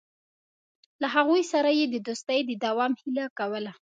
له هغوی سره یې د دوستۍ د دوام هیله کوله.